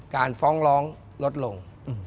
การฟ้องร้องลดลง